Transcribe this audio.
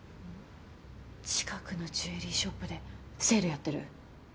近くのジュエリーショップでセールやってる。